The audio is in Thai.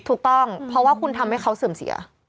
ถูกต้องเพราะว่าคุณทำให้เขาเสื่อมเสีย